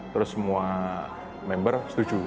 terus semua member setuju